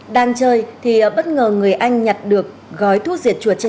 đang chơi thì bất ngờ người anh nhặt được gói thu diệt chuột